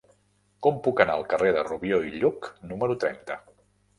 Com puc anar al carrer de Rubió i Lluch número trenta?